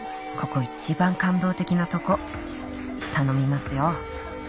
ここ一番感動的なとこ頼みますよ